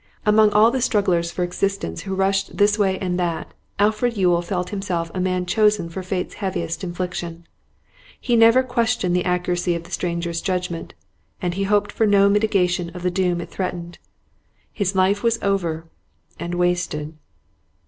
Among all the strugglers for existence who rushed this way and that, Alfred Yule felt himself a man chosen for fate's heaviest infliction. He never questioned the accuracy of the stranger's judgment, and he hoped for no mitigation of the doom it threatened. His life was over and wasted.